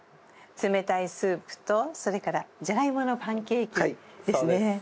冷たいスープと、それからジャガイモのパンケーキですね。